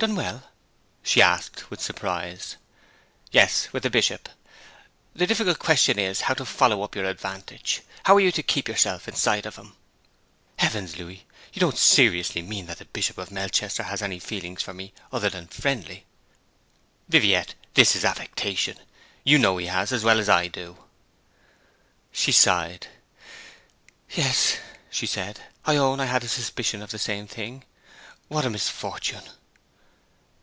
'Done well?' she asked, with surprise. 'Yes, with the Bishop. The difficult question is how to follow up our advantage. How are you to keep yourself in sight of him?' 'Heavens, Louis! You don't seriously mean that the Bishop of Melchester has any feelings for me other than friendly?' 'Viviette, this is affectation. You know he has as well as I do.' She sighed. 'Yes,' she said. 'I own I had a suspicion of the same thing. What a misfortune!'